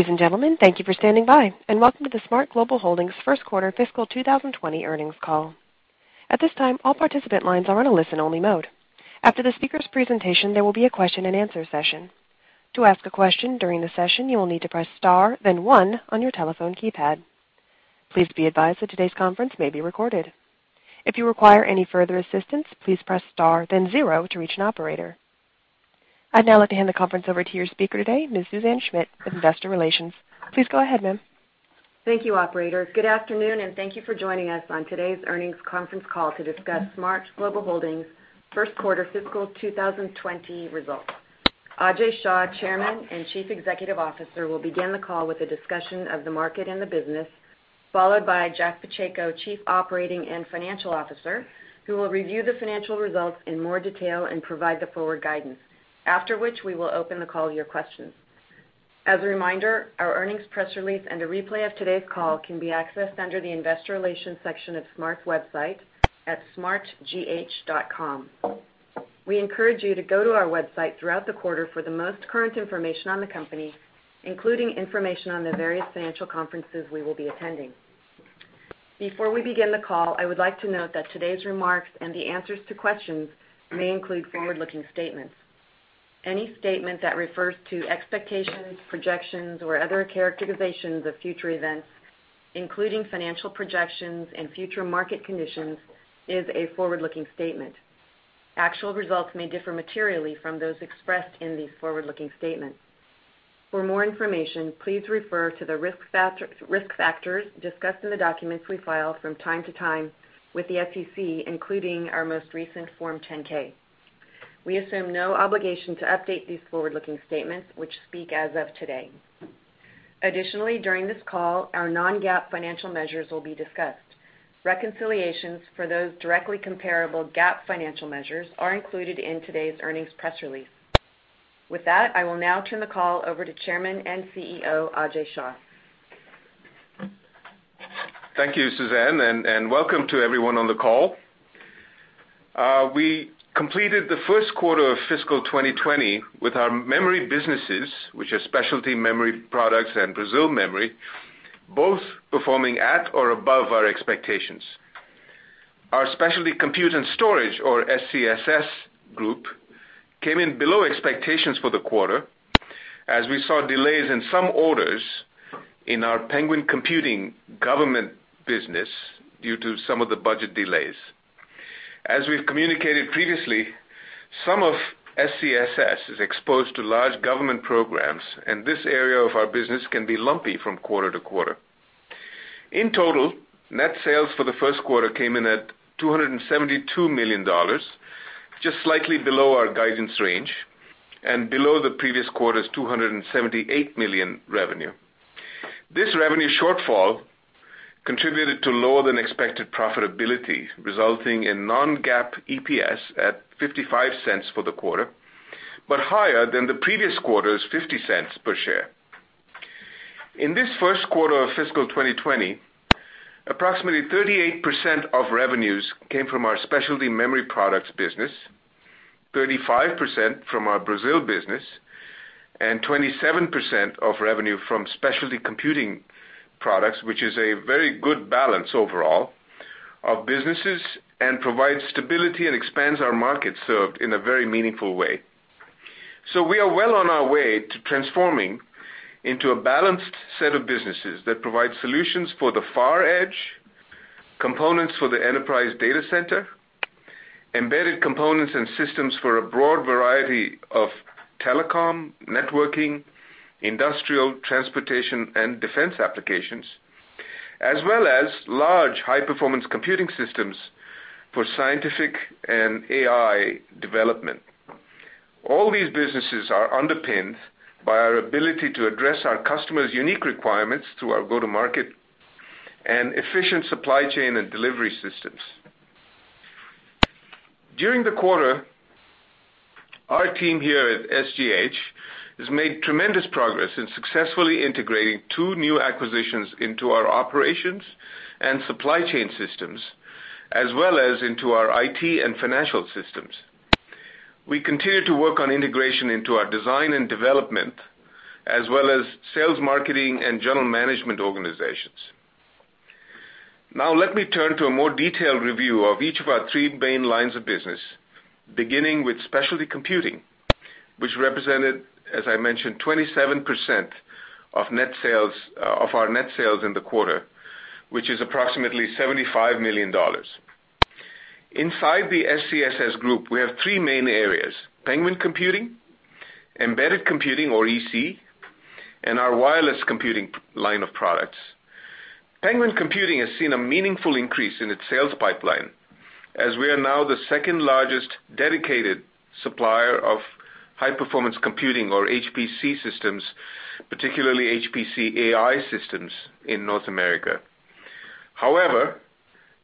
Ladies and gentlemen, thank you for standing by and welcome to the SMART Global Holdings first quarter fiscal 2020 earnings call. At this time, all participant lines are on a listen-only mode. After the speaker's presentation, there will be a question and answer session. To ask a question during the session, you will need to press star then one on your telephone keypad. Please be advised that today's conference may be recorded. If you require any further assistance, please press star then zero to reach an operator. I'd now like to hand the conference over to your speaker today, Ms. Suzanne Schmidt, investor relations. Please go ahead, ma'am. Thank you, operator. Good afternoon, and thank you for joining us on today's earnings conference call to discuss SMART Global Holdings' first quarter fiscal 2020 results. Ajay Shah, Chairman and Chief Executive Officer, will begin the call with a discussion of the market and the business, followed by Jack Pacheco, Chief Operating and Financial Officer, who will review the financial results in more detail and provide the forward guidance, after which we will open the call to your questions. As a reminder, our earnings press release and a replay of today's call can be accessed under the investor relations section of SMART's website at smartgh.com. We encourage you to go to our website throughout the quarter for the most current information on the company, including information on the various financial conferences we will be attending. Before we begin the call, I would like to note that today's remarks and the answers to questions may include forward-looking statements. Any statement that refers to expectations, projections, or other characterizations of future events, including financial projections and future market conditions, is a forward-looking statement. Actual results may differ materially from those expressed in these forward-looking statements. For more information, please refer to the risk factors discussed in the documents we file from time to time with the SEC, including our most recent Form 10-K. We assume no obligation to update these forward-looking statements which speak as of today. Additionally, during this call, our non-GAAP financial measures will be discussed. Reconciliations for those directly comparable GAAP financial measures are included in today's earnings press release. I will now turn the call over to Chairman and CEO, Ajay Shah. Thank you, Suzanne, and welcome to everyone on the call. We completed the first quarter of fiscal 2020 with our memory businesses, which are specialty memory products and Brazil memory, both performing at or above our expectations. Our specialty compute and storage, or SCSS group, came in below expectations for the quarter as we saw delays in some orders in our Penguin Computing government business due to some of the budget delays. As we've communicated previously, some of SCSS is exposed to large government programs, and this area of our business can be lumpy from quarter to quarter. In total, net sales for the first quarter came in at $272 million, just slightly below our guidance range and below the previous quarter's $278 million revenue. This revenue shortfall contributed to lower than expected profitability, resulting in non-GAAP EPS at $0.55 for the quarter, but higher than the previous quarter's $0.50 per share. In this first quarter of fiscal 2020, approximately 38% of revenues came from our specialty memory products business, 35% from our Brazil business, and 27% of revenue from specialty computing products, which is a very good balance overall of businesses and provides stability and expands our market served in a very meaningful way. We are well on our way to transforming into a balanced set of businesses that provide solutions for the far edge, components for the enterprise data center, embedded components and systems for a broad variety of telecom, networking, industrial transportation, and defense applications, as well as large high-performance computing systems for scientific and AI development. All these businesses are underpinned by our ability to address our customers' unique requirements through our go-to-market and efficient supply chain and delivery systems. During the quarter, our team here at SGH has made tremendous progress in successfully integrating two new acquisitions into our operations and supply chain systems, as well as into our IT and financial systems. We continue to work on integration into our design and development, as well as sales, marketing, and general management organizations. Let me turn to a more detailed review of each of our three main lines of business, beginning with specialty computing, which represented, as I mentioned, 27% of our net sales in the quarter, which is approximately $75 million. Inside the SCSS group, we have three main areas, Penguin Computing, Embedded Computing or EC, and our wireless computing line of products. Penguin Computing has seen a meaningful increase in its sales pipeline as we are now the second largest dedicated supplier of high-performance computing, or HPC systems, particularly HPC AI systems in North America. However,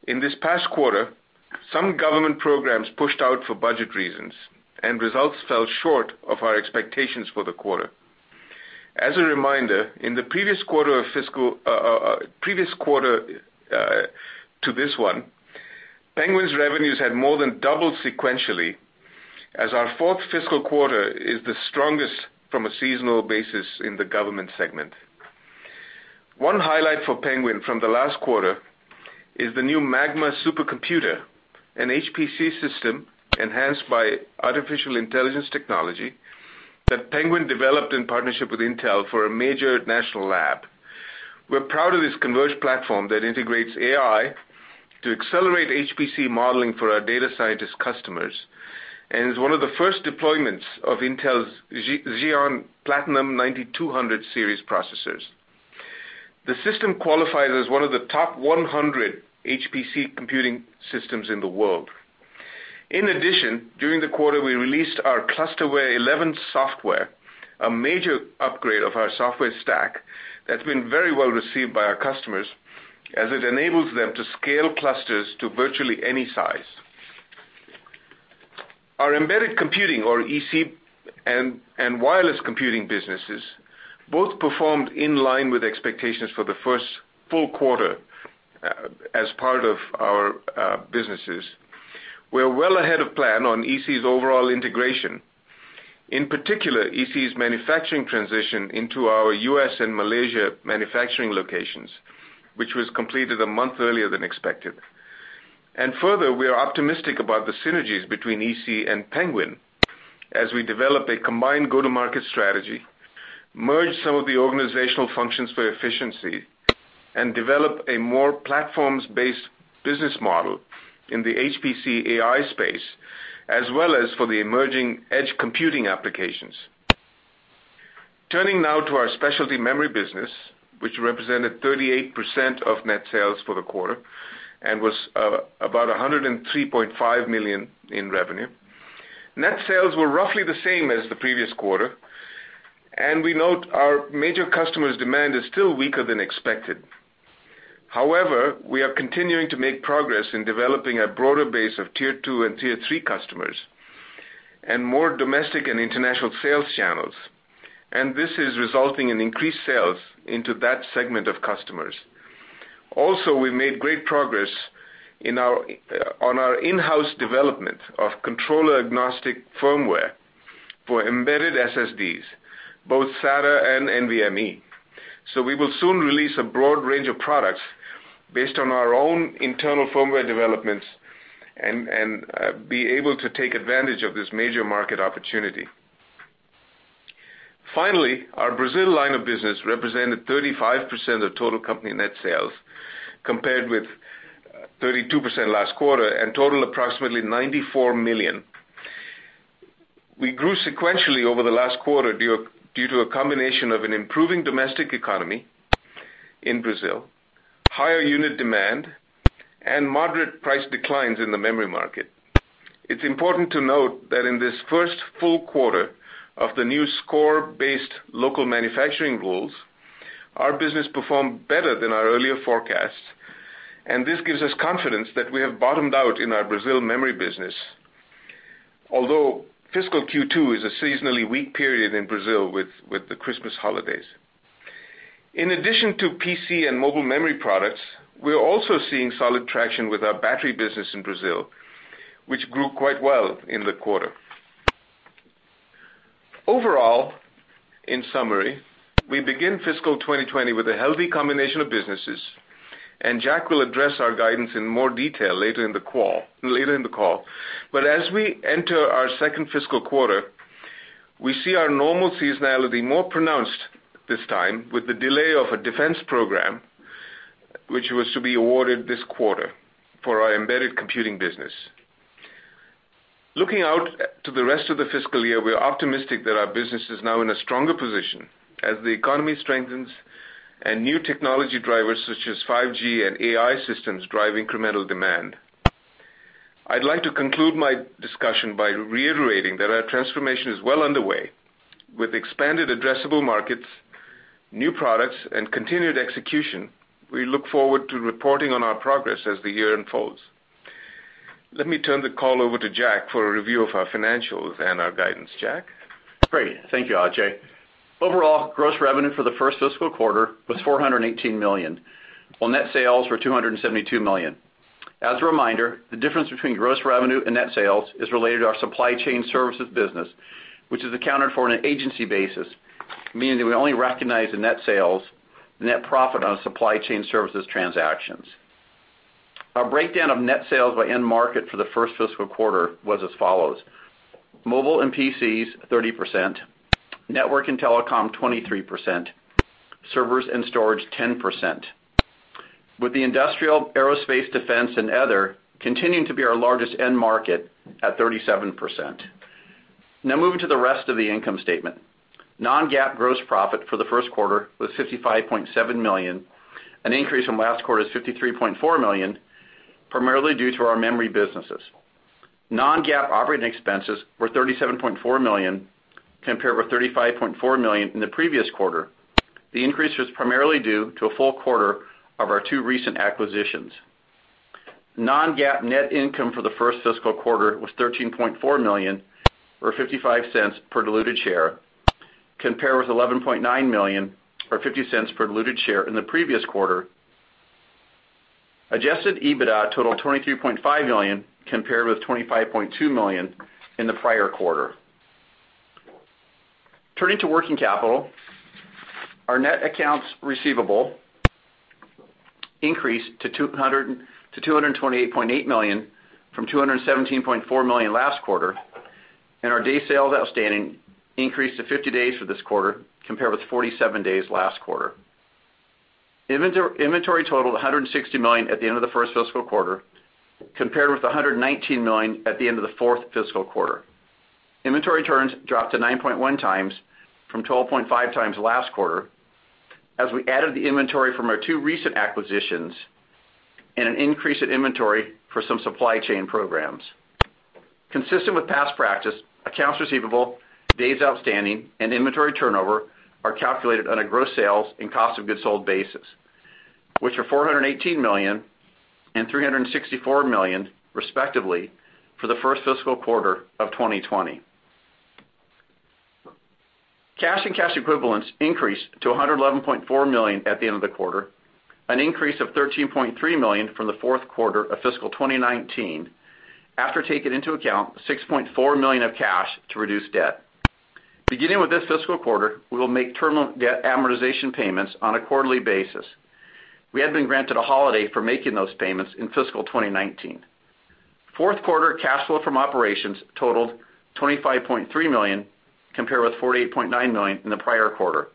in this past quarter, some government programs pushed out for budget reasons, and results fell short of our expectations for the quarter. As a reminder, in the previous quarter to this one, Penguin's revenues have more than doubled sequentially, as our fourth fiscal quarter is the strongest from a seasonal basis in the government segment. One highlight for Penguin from the last quarter is the new Magma supercomputer, an HPC system enhanced by artificial intelligence technology that Penguin developed in partnership with Intel for a major national lab. We're proud of this converged platform that integrates AI to accelerate HPC modeling for our data scientist customers and is one of the first deployments of Intel's Xeon Platinum 9200 series processors. The system qualifies as one of the top 100 HPC computing systems in the world. In addition, during the quarter, we released our ClusterWare 11 software, a major upgrade of our software stack that's been very well received by our customers, as it enables them to scale clusters to virtually any size. Our embedded computing, or EC, and wireless computing businesses both performed in line with expectations for the first full quarter as part of our businesses. We are well ahead of plan on EC's overall integration, in particular, EC's manufacturing transition into our U.S. and Malaysia manufacturing locations, which was completed a month earlier than expected. Further, we are optimistic about the synergies between EC and Penguin as we develop a combined go-to-market strategy, merge some of the organizational functions for efficiency, and develop a more platforms-based business model in the HPC AI space, as well as for the emerging edge computing applications. Turning now to our specialty memory business, which represented 38% of net sales for the quarter and was about $103.5 million in revenue. Net sales were roughly the same as the previous quarter, and we note our major customers' demand is still weaker than expected. However, we are continuing to make progress in developing a broader base of tier 2 and tier 3 customers and more domestic and international sales channels, and this is resulting in increased sales into that segment of customers. We made great progress on our in-house development of controller agnostic firmware for embedded SSDs, both SATA and NVMe. We will soon release a broad range of products based on our own internal firmware developments and be able to take advantage of this major market opportunity. Finally, our Brazil line of business represented 35% of total company net sales, compared with 32% last quarter, and total approximately $94 million. We grew sequentially over the last quarter due to a combination of an improving domestic economy in Brazil, higher unit demand, and moderate price declines in the memory market. It's important to note that in this first full quarter of the new score-based local manufacturing rules, our business performed better than our earlier forecasts, and this gives us confidence that we have bottomed out in our Brazil memory business. Although fiscal Q2 is a seasonally weak period in Brazil with the Christmas holidays. In addition to PC and mobile memory products, we are also seeing solid traction with our battery business in Brazil, which grew quite well in the quarter. Overall, in summary, we begin fiscal 2020 with a healthy combination of businesses. Jack will address our guidance in more detail later in the call. As we enter our second fiscal quarter, we see our normal seasonality more pronounced this time with the delay of a defense program, which was to be awarded this quarter for our embedded computing business. Looking out to the rest of the fiscal year, we are optimistic that our business is now in a stronger position as the economy strengthens and new technology drivers such as 5G and AI systems drive incremental demand. I'd like to conclude my discussion by reiterating that our transformation is well underway. With expanded addressable markets, new products, and continued execution, we look forward to reporting on our progress as the year unfolds. Let me turn the call over to Jack for a review of our financials and our guidance. Jack? Great. Thank you, Ajay. Overall, gross revenue for the first fiscal quarter was $418 million, while net sales were $272 million. As a reminder, the difference between gross revenue and net sales is related to our supply chain services business, which is accounted for on an agency basis, meaning that we only recognize the net sales, the net profit on supply chain services transactions. Our breakdown of net sales by end market for the first fiscal quarter was as follows: mobile and PCs, 30%, network and telecom, 23%, servers and storage, 10%, with the industrial, aerospace, defense, and other continuing to be our largest end market at 37%. Now moving to the rest of the income statement. Non-GAAP gross profit for the first quarter was $55.7 million, an increase from last quarter's $53.4 million, primarily due to our memory businesses. Non-GAAP operating expenses were $37.4 million, compared with $35.4 million in the previous quarter. The increase was primarily due to a full quarter of our two recent acquisitions. Non-GAAP net income for the first fiscal quarter was $13.4 million, or $0.55 per diluted share, compared with $11.9 million or $0.50 per diluted share in the previous quarter. Adjusted EBITDA totaled $23.5 million compared with $25.2 million in the prior quarter. Turning to working capital, our net accounts receivable increased to $228.8 million from $217.4 million last quarter, and our day sales outstanding increased to 50 days for this quarter compared with 47 days last quarter. Inventory totaled $160 million at the end of the first fiscal quarter, compared with $119 million at the end of the fourth fiscal quarter. Inventory turns dropped to 9.1 times from 12.5 times last quarter, as we added the inventory from our two recent acquisitions and an increase in inventory for some supply chain programs. Consistent with past practice, accounts receivable, days outstanding, and inventory turnover are calculated on a gross sales and cost of goods sold basis, which are $418 million and $364 million, respectively, for the first fiscal quarter of 2020. Cash and cash equivalents increased to $111.4 million at the end of the quarter, an increase of $13.3 million from the fourth quarter of fiscal 2019 after taking into account $6.4 million of cash to reduce debt. Beginning with this fiscal quarter, we will make terminal debt amortization payments on a quarterly basis. We had been granted a holiday for making those payments in fiscal 2019. Fourth quarter cash flow from operations totaled $25.3 million, compared with $48.9 million in the prior quarter.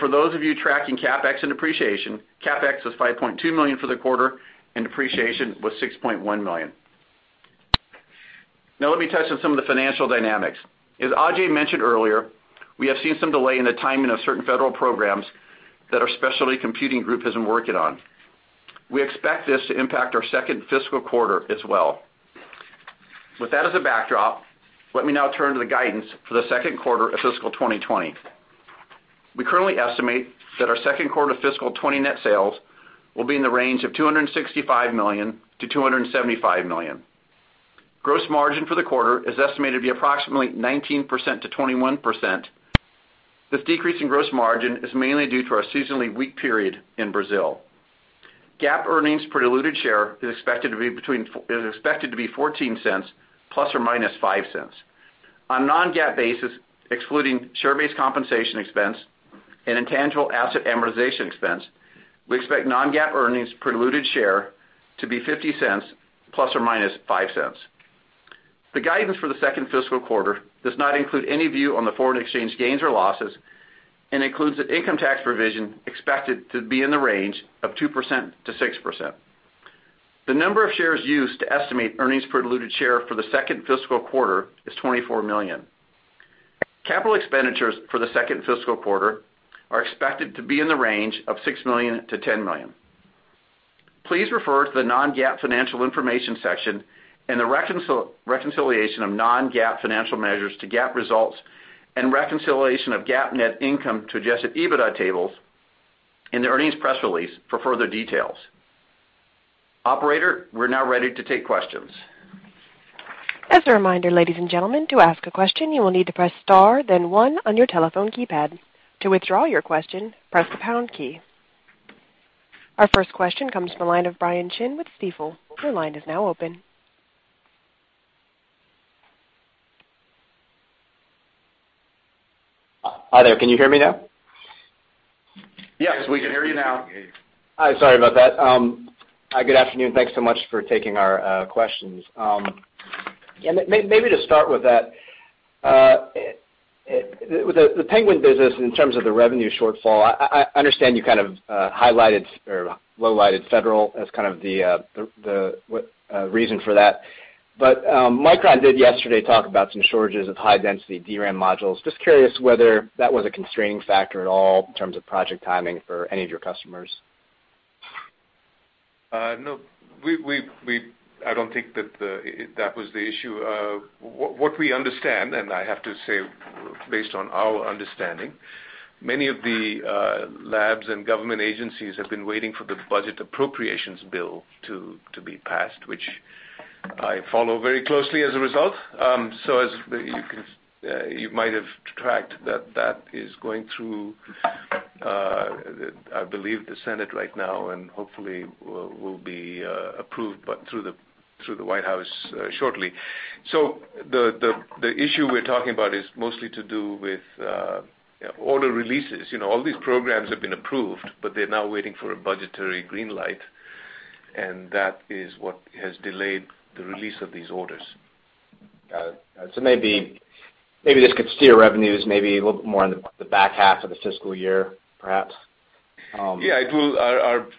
For those of you tracking CapEx and depreciation, CapEx was $5.2 million for the quarter, and depreciation was $6.1 million. Let me touch on some of the financial dynamics. As Ajay mentioned earlier, we have seen some delay in the timing of certain federal programs that our specialty computing group has been working on. We expect this to impact our second fiscal quarter as well. With that as a backdrop, let me now turn to the guidance for the second quarter of fiscal 2020. We currently estimate that our second quarter fiscal 2020 net sales will be in the range of $265 million-$275 million. Gross margin for the quarter is estimated to be approximately 19%-21%. This decrease in gross margin is mainly due to our seasonally weak period in Brazil. GAAP earnings per diluted share is expected to be $0.14 ± $0.05. On non-GAAP basis, excluding share-based compensation expense and intangible asset amortization expense, we expect non-GAAP earnings per diluted share to be $0.50 ± $0.05. The guidance for the second fiscal quarter does not include any view on the foreign exchange gains or losses and includes an income tax provision expected to be in the range of 2%-6%. The number of shares used to estimate earnings per diluted share for the second fiscal quarter is 24 million. Capital expenditures for the second fiscal quarter are expected to be in the range of $6 million-$10 million. Please refer to the non-GAAP financial information section and the reconciliation of non-GAAP financial measures to GAAP results and reconciliation of GAAP net income to adjusted EBITDA tables in the earnings press release for further details. Operator, we're now ready to take questions. As a reminder, ladies and gentlemen, to ask a question, you will need to press star then one on your telephone keypad. To withdraw your question, press the pound key. Our first question comes from the line of Brian Chin with Stifel. Your line is now open. Hi there. Can you hear me now? Yes, we can hear you now. Hi. Sorry about that. Good afternoon. Thanks so much for taking our questions. Maybe to start with that, with the Penguin business, in terms of the revenue shortfall, I understand you lowlighted Federal as the reason for that. Micron did yesterday talk about some shortages of high-density DRAM modules. Just curious whether that was a constraining factor at all in terms of project timing for any of your customers. No. I don't think that was the issue. What we understand, and I have to say based on our understanding, many of the labs and government agencies have been waiting for the budget appropriations bill to be passed, which I follow very closely as a result. As you might have tracked, that is going through, I believe, the Senate right now and hopefully will be approved through the White House shortly. The issue we're talking about is mostly to do with order releases. All these programs have been approved, but they're now waiting for a budgetary green light, and that is what has delayed the release of these orders. Got it. Maybe this could steer revenues maybe a little bit more on the back half of the fiscal year, perhaps? Yeah.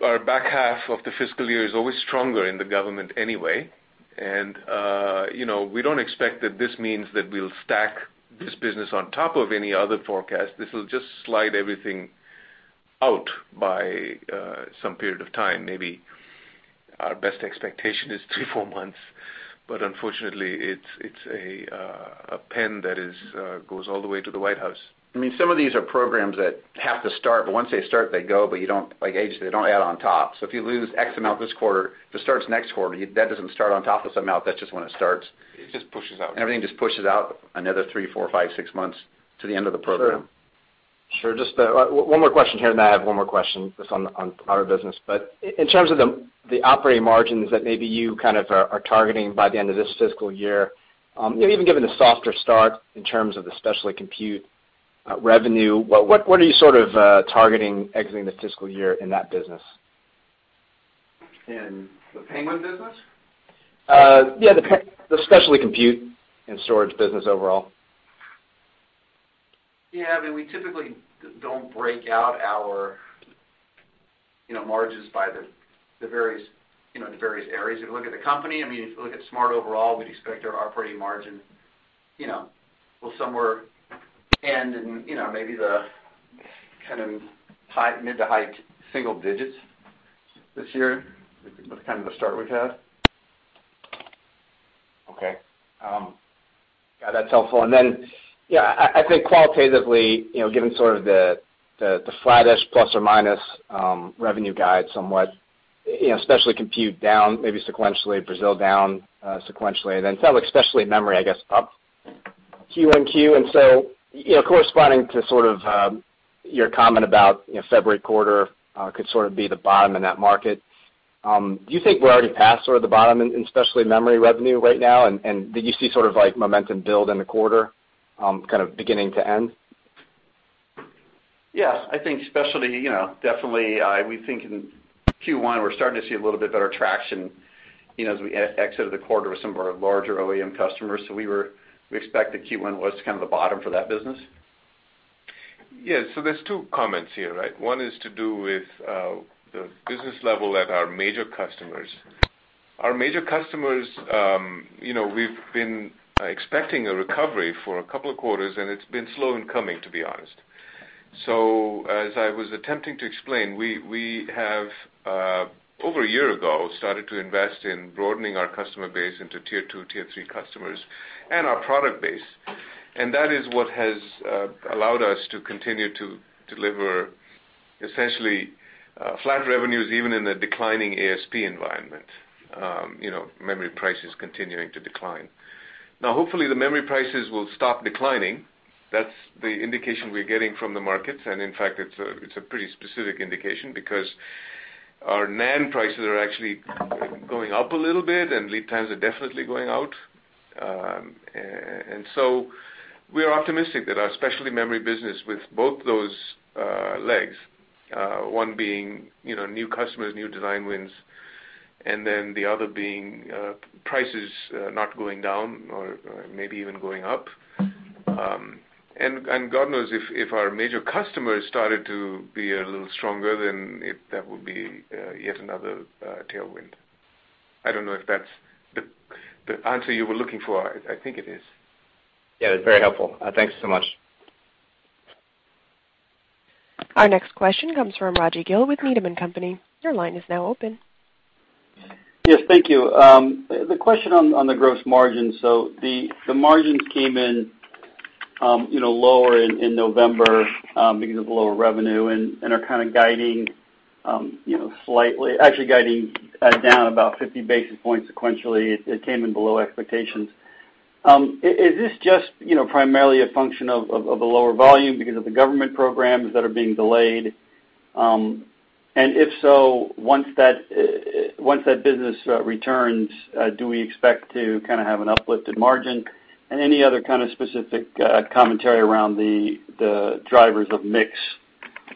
Our back half of the fiscal year is always stronger in the government anyway. We don't expect that this means that we'll stack this business on top of any other forecast. This will just slide everything out by some period of time. Maybe our best expectation is three, four months, but unfortunately, it's a pen that goes all the way to the White House. Some of these are programs that have to start, but once they start, they go, but they don't add on top. If you lose X amount this quarter, this starts next quarter. That doesn't start on top of some amount. That's just when it starts. It just pushes out. Everything just pushes out another three, four, five, six months to the end of the program. Sure. Just one more question here, and then I have one more question just on our business. In terms of the operating margins that maybe you are targeting by the end of this fiscal year, even given the softer start in terms of the specialty compute revenue, what are you targeting exiting this fiscal year in that business? In the Penguin business? Yeah. The specialty compute and storage business overall. Yeah. We typically don't break out our margins by the various areas. If you look at the company, if you look at SMART overall, we'd expect our operating margin will somewhere end in maybe the mid to high single digits this year with the kind of the start we've had. Okay. Got it, that's helpful. I think qualitatively, given sort of the flattish plus or minus revenue guide somewhat, specialty compute down maybe sequentially, Brazil down sequentially, then some specialty memory, I guess, up Q and Q. Corresponding to sort of your comment about February quarter could sort of be the bottom in that market, do you think we're already past sort of the bottom in specialty memory revenue right now, and did you see sort of like momentum build in the quarter, kind of beginning to end? I think specialty, definitely, we think in Q1, we're starting to see a little bit better traction, as we exit the quarter with some of our larger OEM customers. We expect that Q1 was kind of the bottom for that business. Yeah. There's two comments here, right? One is to do with the business level at our major customers. Our major customers, we've been expecting a recovery for a couple of quarters, and it's been slow in coming, to be honest. As I was attempting to explain, we have, over a year ago, started to invest in broadening our customer base into tier 2, tier 3 customers and our product base. That is what has allowed us to continue to deliver essentially flat revenues, even in a declining ASP environment, memory prices continuing to decline. Now, hopefully, the memory prices will stop declining. That's the indication we're getting from the markets, in fact, it's a pretty specific indication because our NAND prices are actually going up a little bit, and lead times are definitely going out. We are optimistic that our specialty memory business with both those legs, one being new customers, new design wins, and then the other being prices not going down or maybe even going up. God knows if our major customers started to be a little stronger, then that would be yet another tailwind. I don't know if that's the answer you were looking for. I think it is. Yeah. It was very helpful. Thanks so much. Our next question comes from Raji Gill with Needham & Company. Your line is now open. Yes, thank you. The question on the gross margin, the margins came in lower in November, because of lower revenue and are kind of guiding slightly, actually guiding down about 50 basis points sequentially. It came in below expectations. Is this just primarily a function of the lower volume because of the government programs that are being delayed? If so, once that business returns, do we expect to kind of have an uplifted margin? Any other kind of specific commentary around the drivers of mix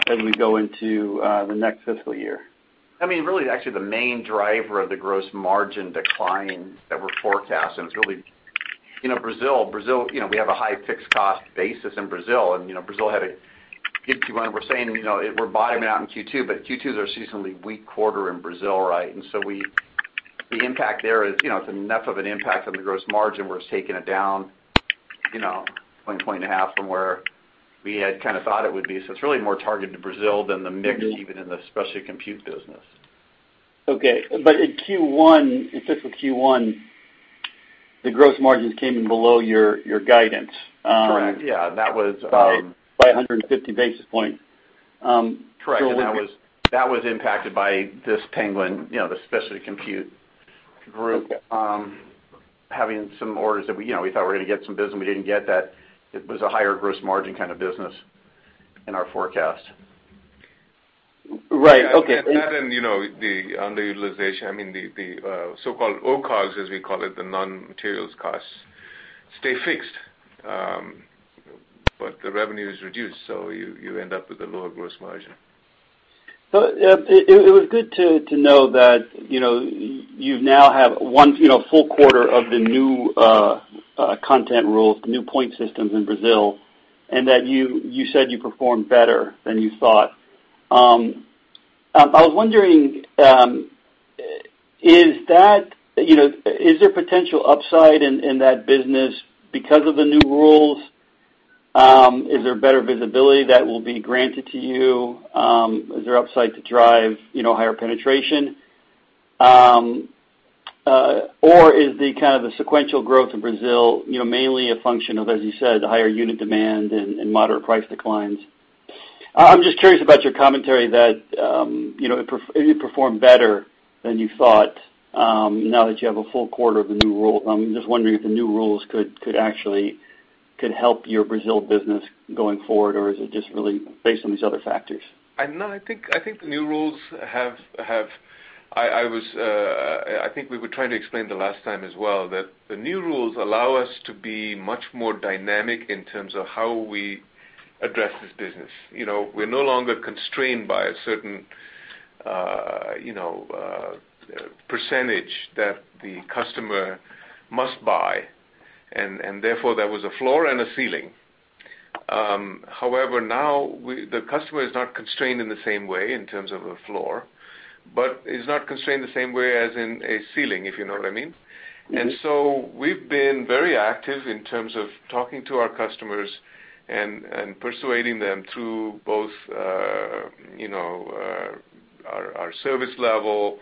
as we go into the next fiscal year? Really, actually, the main driver of the gross margin decline that we're forecasting is really Brazil. We have a high fixed cost basis in Brazil, and Brazil had a Q2. We're saying, we're bottoming out in Q2 is our seasonally weak quarter in Brazil, right? The impact there, it's enough of an impact on the gross margin where it's taking it down one point and a half from where we had kind of thought it would be. It's really more targeted to Brazil than the mix even in the specialty compute business. Okay. In Q1, in fiscal Q1, the gross margins came in below your guidance. Correct. Yeah. By 150 basis points. Correct. That was impacted by this Penguin, the specialty compute group, having some orders that we thought we were going to get some business, we didn't get that. It was a higher gross margin kind of business in our forecast. Right. Okay. The underutilization, the so-called OCOGS, as we call it, the non-materials costs, stay fixed. The revenue is reduced, so you end up with a lower gross margin. It was good to know that you now have one full quarter of the new content rules, the new point systems in Brazil, and that you said you performed better than you thought. I was wondering, is there potential upside in that business because of the new rules? Is there better visibility that will be granted to you? Is there upside to drive higher penetration? Or is the kind of the sequential growth in Brazil mainly a function of, as you said, the higher unit demand and moderate price declines? I'm just curious about your commentary that it performed better than you thought now that you have a full quarter of the new rule. I'm just wondering if the new rules could actually help your Brazil business going forward, or is it just really based on these other factors? No, I think the new rules, I think we were trying to explain the last time as well, that the new rules allow us to be much more dynamic in terms of how we address this business. We're no longer constrained by a certain percentage that the customer must buy, and therefore, there was a floor and a ceiling. However, now the customer is not constrained in the same way in terms of a floor, but is not constrained the same way as in a ceiling, if you know what I mean. We've been very active in terms of talking to our customers and persuading them through both our service level,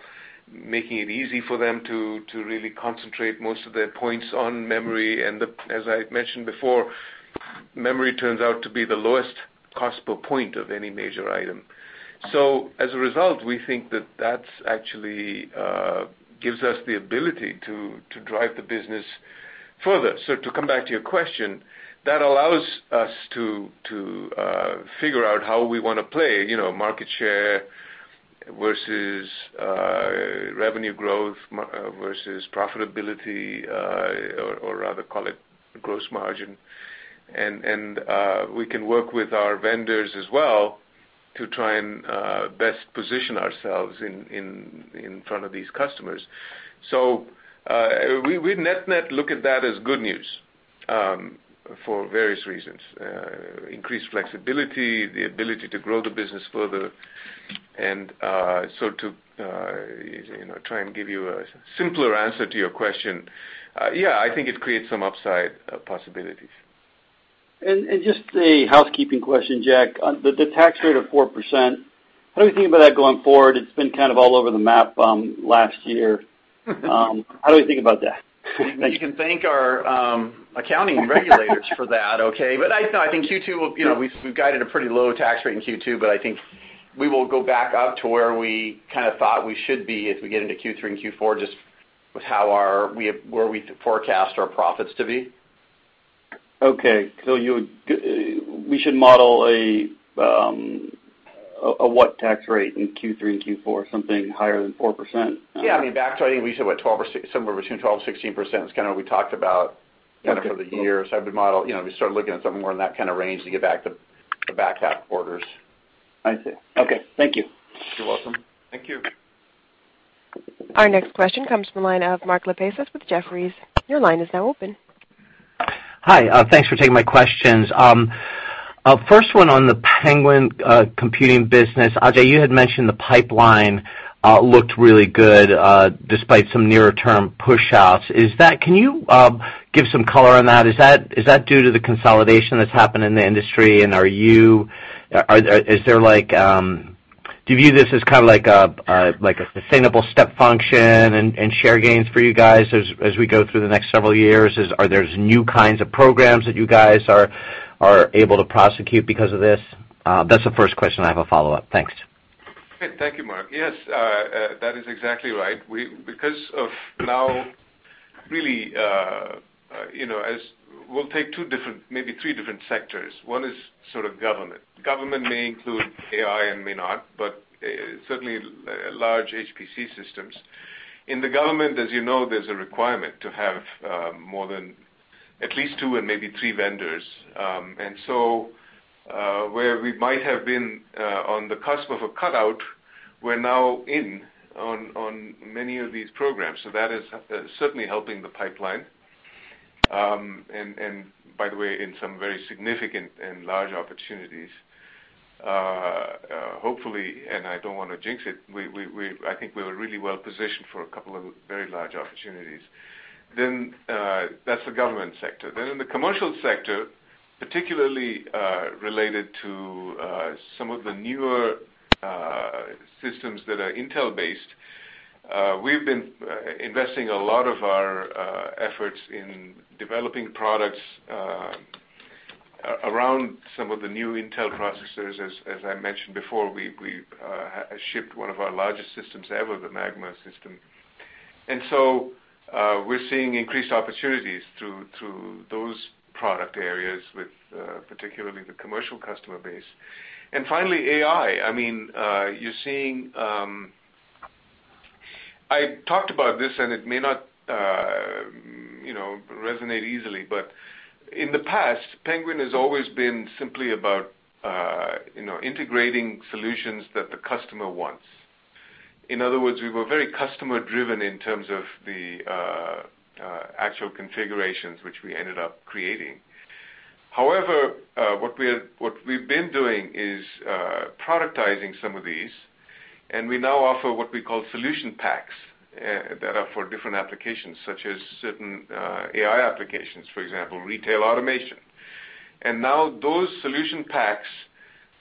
making it easy for them to really concentrate most of their points on memory, and as I mentioned before, memory turns out to be the lowest cost per point of any major item. As a result, we think that actually gives us the ability to drive the business further. To come back to your question, that allows us to figure out how we want to play, market share versus revenue growth versus profitability, or rather call it gross margin. We can work with our vendors as well to try and best position ourselves in front of these customers. We net-net look at that as good news for various reasons. Increased flexibility, the ability to grow the business further, to try and give you a simpler answer to your question, yeah, I think it creates some upside possibilities. Just a housekeeping question, Jack. The tax rate of 4%, how do we think about that going forward? It's been kind of all over the map last year. How do we think about that? You can thank our accounting regulators for that, okay? I think we've guided a pretty low tax rate in Q2, but I think we will go back up to where we kind of thought we should be if we get into Q3 and Q4, just with where we forecast our profits to be. Okay. We should model a what tax rate in Q3 and Q4? Something higher than 4%? Yeah. Back to, I think we said somewhere between 12% and 16%. It's kind of what we talked about- Okay for the year. I would model, we start looking at something more in that kind of range to get back the back-half quarters. I see. Okay. Thank you. You're welcome. Thank you. Our next question comes from the line of Mark Lipacis with Jefferies. Your line is now open. Hi. Thanks for taking my questions. First one on the Penguin Computing business. Ajay, you had mentioned the pipeline looked really good, despite some nearer term push offs. Can you give some color on that? Is that due to the consolidation that's happened in the industry, and do you view this as kind of like a sustainable step function and share gains for you guys as we go through the next several years? Are there new kinds of programs that you guys are able to prosecute because of this? That's the first question. I have a follow-up. Thanks. Thank you, Mark. Yes, that is exactly right. Because of now, really, as we'll take two different, maybe three different sectors. One is sort of government. Government may include AI and may not, but certainly large HPC systems. In the government, as you know, there's a requirement to have more than at least two and maybe three vendors. Where we might have been on the cusp of a cutout, we're now in on many of these programs, so that is certainly helping the pipeline. By the way, in some very significant and large opportunities. Hopefully, and I don't want to jinx it, I think we are really well-positioned for a couple of very large opportunities. That's the government sector. In the commercial sector, particularly related to some of the newer systems that are Intel-based, we've been investing a lot of our efforts in developing products around some of the new Intel processors. As I mentioned before, we shipped one of our largest systems ever, the Magma system. We're seeing increased opportunities through those product areas with particularly the commercial customer base. Finally, AI. I talked about this, and it may not resonate easily, but in the past, Penguin has always been simply about integrating solutions that the customer wants. In other words, we were very customer-driven in terms of the actual configurations which we ended up creating. However, what we've been doing is productizing some of these, and we now offer what we call solution packs that are for different applications, such as certain AI applications, for example, retail automation. Now those solution packs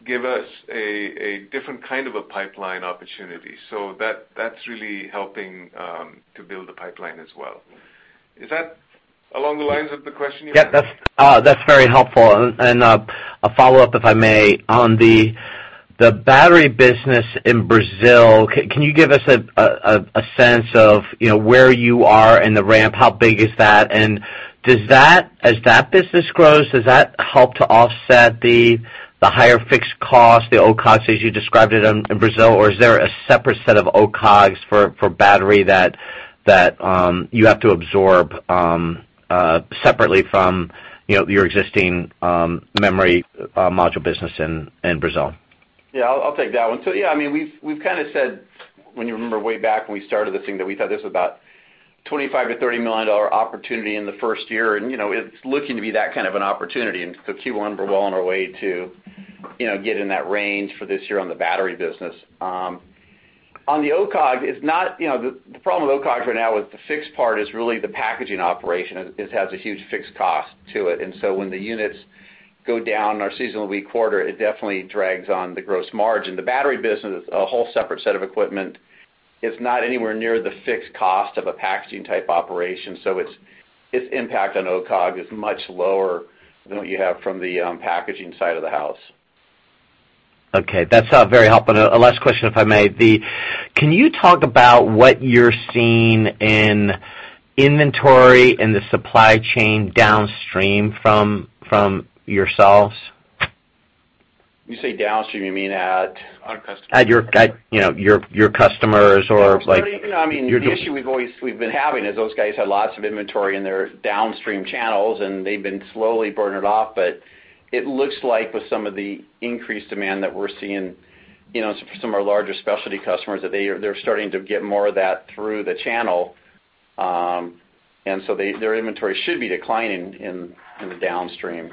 give us a different kind of a pipeline opportunity. That's really helping to build the pipeline as well. Is that along the lines of the question you had? Yeah, that's very helpful. A follow-up, if I may. On the battery business in Brazil, can you give us a sense of where you are in the ramp? How big is that? As that business grows, does that help to offset the higher fixed cost, the OCOGS, as you described it in Brazil or is there a separate set of OCOGS for battery that you have to absorb separately from your existing memory module business in Brazil? Yeah, I've said, when you remember way back when we started this thing, that we thought this was about $25 million-$30 million opportunity in the first year, and it's looking to be that kind of an opportunity. In Q1, we're well on our way to get in that range for this year on the battery business. On the OCOGS, the problem with OCOGS right now with the fixed part is really the packaging operation. It has a huge fixed cost to it. When the units go down in our seasonal week quarter, it definitely drags on the gross margin. The battery business is a whole separate set of equipment. It's not anywhere near the fixed cost of a packaging-type operation, so its impact on OCOGS is much lower than what you have from the packaging side of the house. Okay. That's very helpful. A last question, if I may. Can you talk about what you're seeing in inventory in the supply chain downstream from yourselves? You say downstream, you mean at our customers? At your customers or like. The issue we've been having is those guys have lots of inventory in their downstream channels, and they've been slowly burning it off, but it looks like with some of the increased demand that we're seeing, some of our larger specialty customers, that they're starting to get more of that through the channel. Their inventory should be declining in the downstream.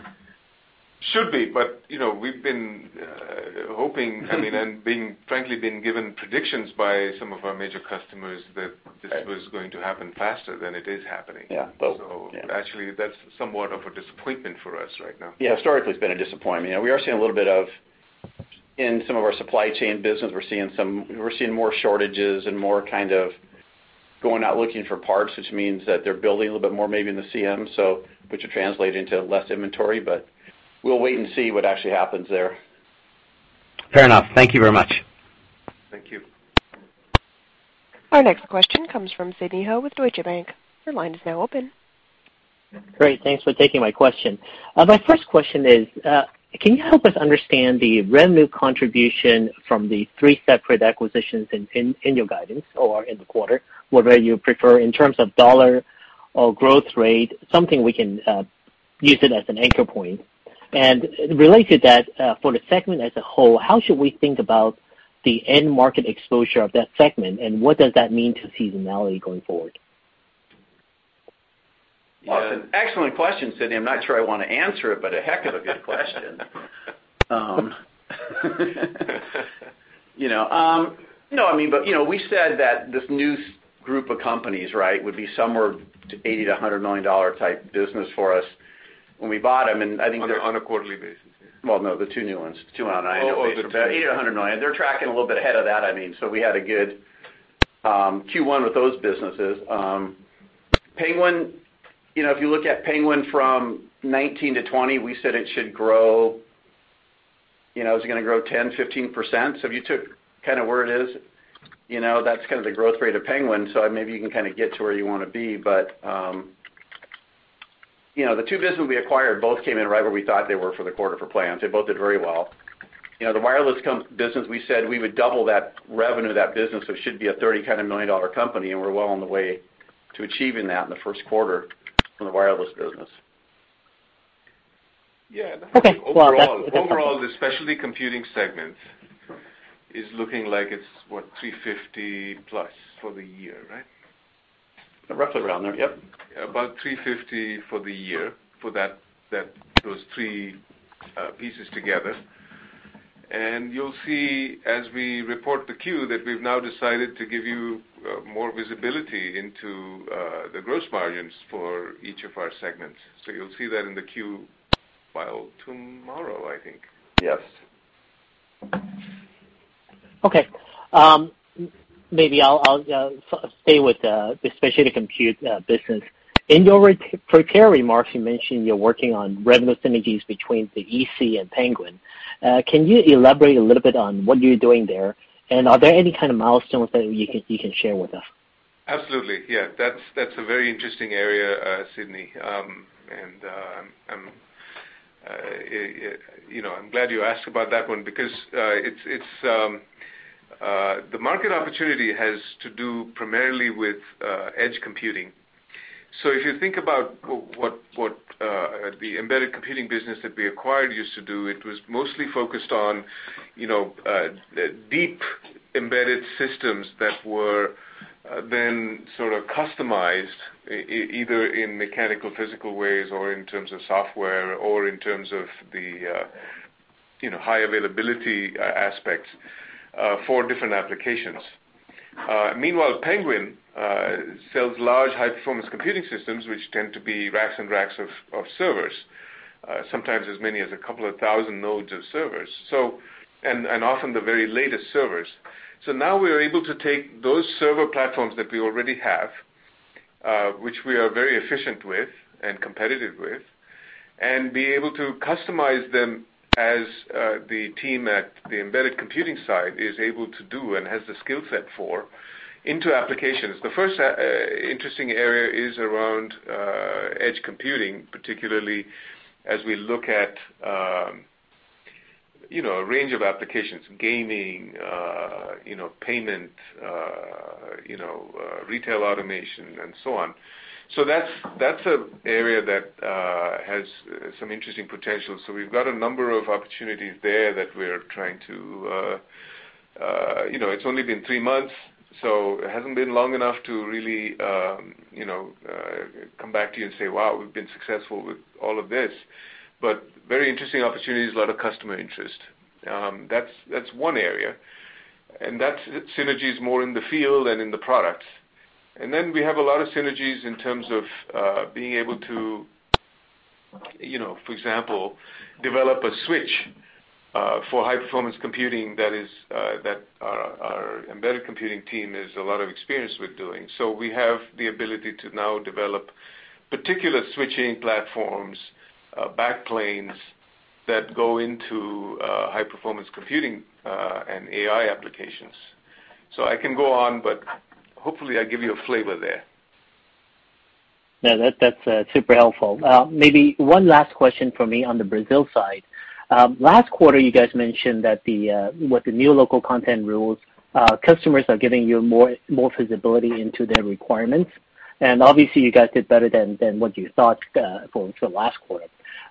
Should be, we've been hoping, and frankly, been given predictions by some of our major customers that this was going to happen faster than it is happening. Yeah. Actually, that's somewhat of a disappointment for us right now. Yeah. Historically, it's been a disappointment. We are seeing a little bit of, in some of our supply chain business, we're seeing more shortages and more going out looking for parts, which means that they're building a little bit more maybe in the CM, which will translate into less inventory, but we'll wait and see what actually happens there. Fair enough. Thank you very much. Thank you. Our next question comes from Sidney Ho with Deutsche Bank. Your line is now open. Great. Thanks for taking my question. My first question is, can you help us understand the revenue contribution from the three separate acquisitions in your guidance or in the quarter, whatever you prefer, in terms of dollar or growth rate, something we can use it as an an anchor point? Related to that, for the segment as a whole, how should we think about the end-market exposure of that segment, and what does that mean to seasonality going forward? Awesome. Excellent question, Sidney. I'm not sure I want to answer it, but a heck of a good question. We said that this new group of companies, would be somewhere $80 million-$100 million type business for us when we bought them. On a quarterly basis. Well, no, the two new ones. Two out of nine. Oh, okay. $80 million-$100 million. They're tracking a little bit ahead of that, I mean. We had a good Q1 with those businesses. If you look at Penguin from 2019 to 2020, we said it should grow 10%, 15%. If you took where it is, that's kind of the growth rate of Penguin. Maybe you can kind of get to where you want to be. The two businesses we acquired both came in right where we thought they were for the quarter for plans. They both did very well. The wireless business, we said we would double that revenue of that business, so it should be a $30 million kind of company, and we're well on the way to achieving that in the first quarter for the wireless business. Yeah. Okay. Well. Overall, the specialty computing segment is looking like it's, what, $350 plus for the year, right? Roughly around there, yep. About $350 for the year for those three pieces together. You'll see as we report the Q that we've now decided to give you more visibility into the gross margins for each of our segments. You'll see that in the Q file tomorrow, I think. Yes. Okay. Maybe I'll stay with the specialty compute business. In your prepared remarks, you mentioned you're working on revenue synergies between the EC and Penguin. Can you elaborate a little bit on what you're doing there, and are there any kind of milestones that you can share with us? Absolutely. Yeah. That's a very interesting area, Sidney. I'm glad you asked about that one because the market opportunity has to do primarily with edge computing. If you think about what the embedded computing business that we acquired used to do, it was mostly focused on deep embedded systems that were then sort of customized, either in mechanical, physical ways or in terms of software or in terms of the high availability aspects for different applications. Meanwhile, Penguin sells large high-performance computing systems, which tend to be racks and racks of servers. Sometimes as many as 2,000 nodes of servers, and often the very latest servers. Now we are able to take those server platforms that we already have, which we are very efficient with and competitive with, and be able to customize them as the team at the embedded computing side is able to do and has the skill set for, into applications. The first interesting area is around edge computing, particularly as we look at a range of applications, gaming, payment, retail automation, and so on. That's an area that has some interesting potential. We've got a number of opportunities there. It's only been three months, so it hasn't been long enough to really come back to you and say, "Wow, we've been successful with all of this." Very interesting opportunities, a lot of customer interest. That's one area. That synergy is more in the field than in the product. We have a lot of synergies in terms of being able to, for example, develop a switch for high-performance computing that our embedded computing team has a lot of experience with doing. We have the ability to now develop particular switching platforms, backplanes, that go into high-performance computing and AI applications. I can go on, but hopefully I give you a flavor there. No, that's super helpful. Maybe one last question from me on the Brazil side. Last quarter, you guys mentioned that with the new local content rules, customers are giving you more visibility into their requirements. Obviously, you guys did better than what you thought for the last quarter.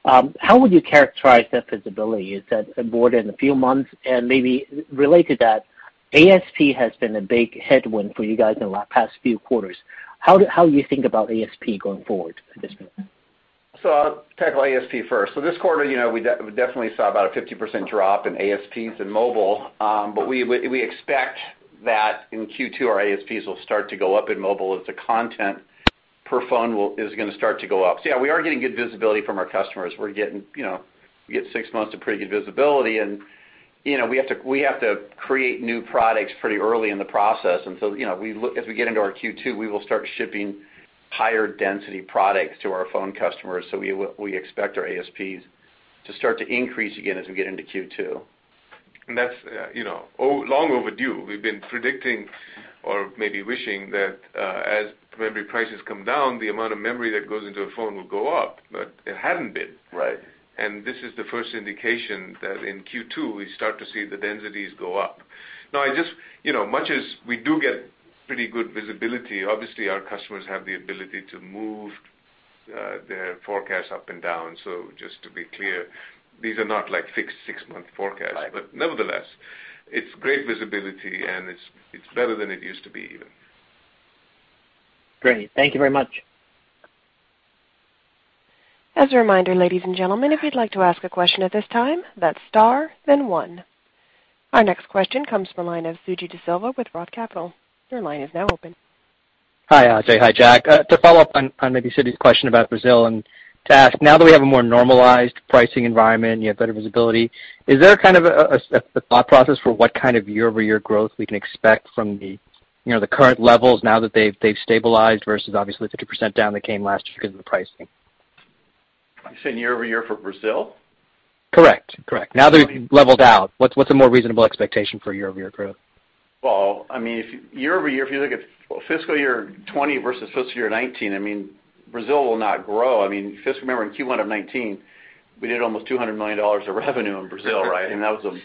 How would you characterize that visibility? Is that more than a few months? Maybe related to that, ASP has been a big headwind for you guys in the past few quarters. How do you think about ASP going forward at this point? I'll tackle ASP first. This quarter, we definitely saw about a 50% drop in ASPs in mobile, but we expect that in Q2, our ASPs will start to go up in mobile as the content per phone is going to start to go up. Yeah, we are getting good visibility from our customers. We get six months of pretty good visibility, and we have to create new products pretty early in the process. As we get into our Q2, we will start shipping higher density products to our phone customers. We expect our ASPs to start to increase again as we get into Q2. That's long overdue. We've been predicting or maybe wishing that as memory prices come down, the amount of memory that goes into a phone will go up, but it hadn't been. Right. This is the first indication that in Q2, we start to see the densities go up. Much as we do get pretty good visibility, obviously, our customers have the ability to move their forecast up and down. Just to be clear, these are not fixed six-month forecasts. Right. Nevertheless, it's great visibility, and it's better than it used to be even. Great. Thank you very much. As a reminder, ladies and gentlemen, if you'd like to ask a question at this time, that's star then one. Our next question comes from the line of Suji Desilva with Roth Capital. Your line is now open. Hi, Ajay. Hi, Jack. To follow up on maybe Suji's question about Brazil, to ask now that we have a more normalized pricing environment, you have better visibility, is there a thought process for what kind of year-over-year growth we can expect from the current levels now that they've stabilized versus obviously the 50% down that came last year because of the pricing? You're saying year-over-year for Brazil? Correct. Now they've leveled out, what's a more reasonable expectation for year-over-year growth? Well, year-over-year, if you look at fiscal year 2020 versus fiscal year 2019, Brazil will not grow. Just remember in Q1 of 2019, we did almost $200 million of revenue in Brazil, right? That was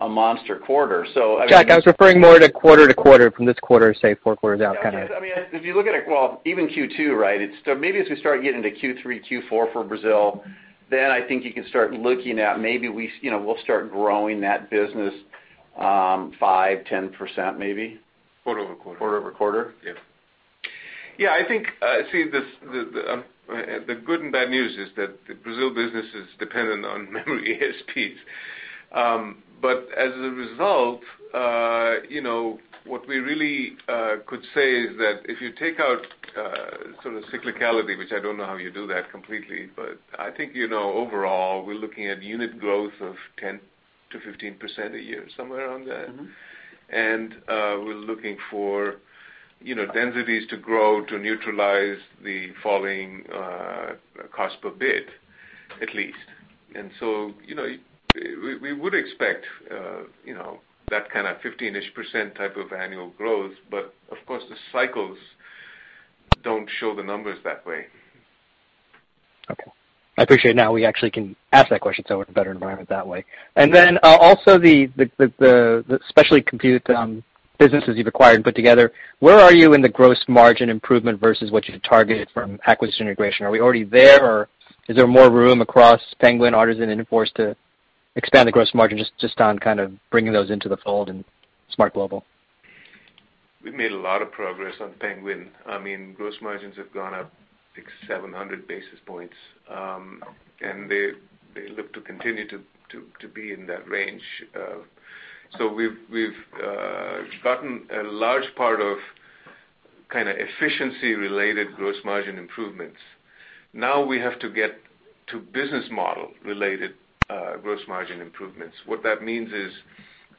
a monster quarter. Jack, I was referring more to quarter-to-quarter from this quarter, say, four quarters out, kind of. If you look at it, well, even Q2, right? Maybe as we start getting to Q3, Q4 for Brazil, then I think you can start looking at maybe we'll start growing that business 5%, 10% maybe. Quarter-over-quarter. Quarter-over-quarter. Yeah. Yeah, I think the good and bad news is that the Brazil business is dependent on memory ASPs. As a result, what we really could say is that if you take out sort of cyclicality, which I don't know how you do that completely, but I think overall, we're looking at unit growth of 10%-15% a year, somewhere around there. We're looking for densities to grow to neutralize the falling cost per bit, at least. We would expect that kind of 15-ish% type of annual growth. Of course, the cycles don't show the numbers that way. Okay. I appreciate now we actually can ask that question, so we're in a better environment that way. The specialty compute businesses you've acquired and put together, where are you in the gross margin improvement versus what you targeted from acquisition integration? Are we already there, or is there more room across Penguin, Artesyn, and Inforce to expand the gross margin just on kind of bringing those into the fold and SMART Global? We've made a lot of progress on Penguin Solutions. Gross margins have gone up 600, 700 basis points, and they look to continue to be in that range. We've gotten a large part of kind of efficiency-related gross margin improvements. Now we have to get to business model-related gross margin improvements. What that means is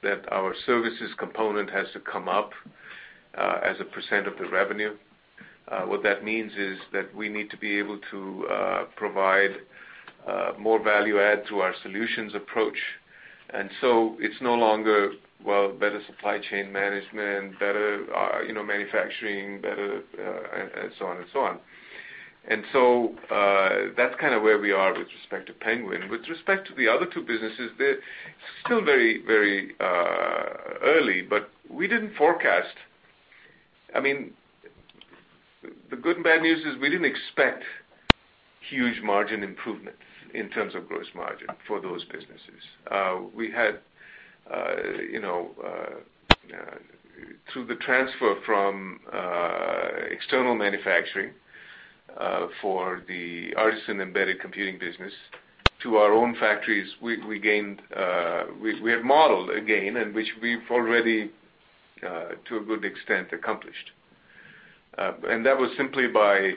that our services component has to come up as a % of the revenue. What that means is that we need to be able to provide more value add to our solutions approach. It's no longer, well, better supply chain management, better manufacturing, better and so on. That's kind of where we are with respect to Penguin Solutions. With respect to the other two businesses, they're still very early, but we didn't forecast. I mean, the good and bad news is we didn't expect huge margin improvement in terms of gross margin for those businesses. We had, through the transfer from external manufacturing, for the Artesyn embedded computing business, to our own factories, we had modeled a gain and which we've already, to a good extent, accomplished. That was simply by,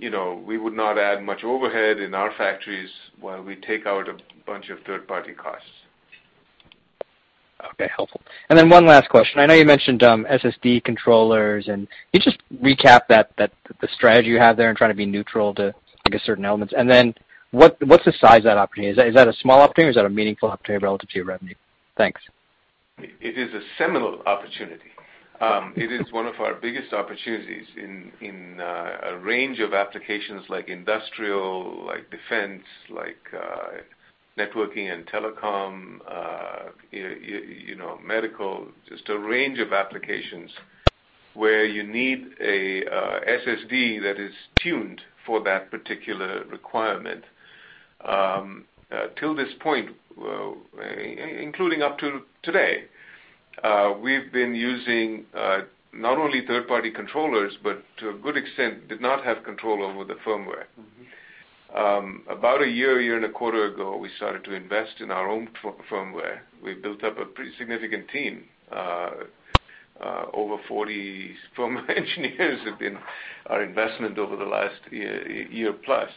we would not add much overhead in our factories while we take out a bunch of third-party costs. Okay, helpful. One last question. I know you mentioned SSD controllers and, can you just recap the strategy you have there in trying to be neutral to, I guess, certain elements? What's the size of that opportunity? Is that a small opportunity or is that a meaningful opportunity relative to your revenue? Thanks. It is a seminal opportunity. It is one of our biggest opportunities in a range of applications like industrial, like defense, like networking and telecom, medical, just a range of applications where you need a SSD that is tuned for that particular requirement. Till this point, including up till today, we've been using, not only third-party controllers, but to a good extent, did not have control over the firmware. About a year and a quarter ago, we started to invest in our own firmware. We built up a pretty significant team. Over 40 firmware engineers have been our investment over the last year plus.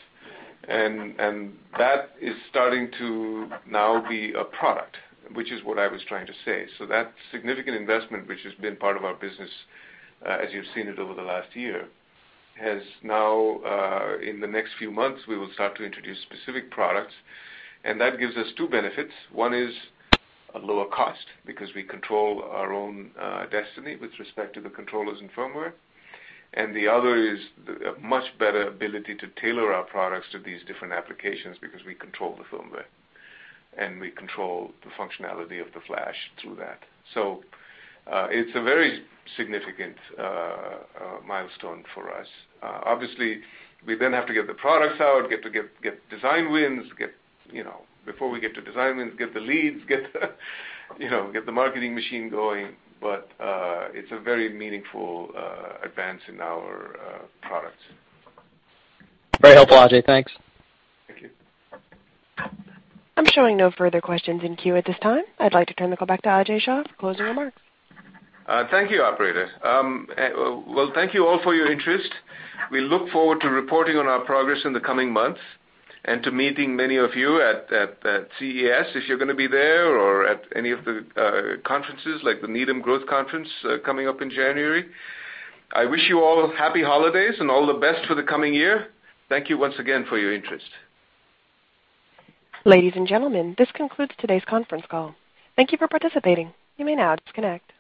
That is starting to now be a product, which is what I was trying to say. That significant investment, which has been part of our business, as you've seen it over the last year, has now, in the next few months, we will start to introduce specific products. That gives us two benefits. One is a lower cost because we control our own destiny with respect to the controllers and firmware. The other is a much better ability to tailor our products to these different applications because we control the firmware, and we control the functionality of the flash through that. It's a very significant milestone for us. Obviously, we then have to get the products out, get design wins, before we get to design wins, get the leads, get the marketing machine going. It's a very meaningful advance in our products. Very helpful, Ajay. Thanks. Thank you. I'm showing no further questions in queue at this time. I'd like to turn the call back to Ajay Shah for closing remarks. Thank you, operator. Well, thank you all for your interest. We look forward to reporting on our progress in the coming months and to meeting many of you at CES, if you're going to be there or at any of the conferences like the Needham Growth Conference coming up in January. I wish you all happy holidays and all the best for the coming year. Thank you once again for your interest. Ladies and gentlemen, this concludes today's conference call. Thank you for participating. You may now disconnect.